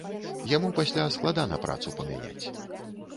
Яму пасля складана працу памяняць.